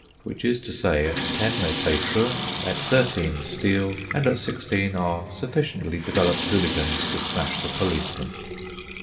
Which is to say, at ten they play truant, at thirteen steal, and at sixteen are sufficiently developed hooligans to smash the policemen.